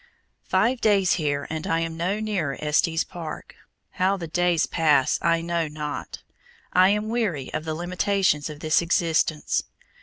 Five days here, and I am no nearer Estes Park. How the days pass I know not; I am weary of the limitations of this existence.